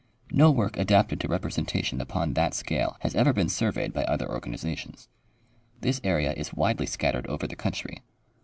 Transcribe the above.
No work adapted to representation upon that scale has ever been surveyed by other organizations. This area is widely scattered over the country.